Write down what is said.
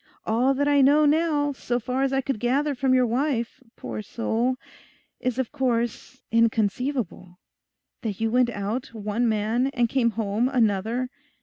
All that I know now, so far as I could gather from your wife, poor soul, is of course inconceivable: that you went out one man and came home another.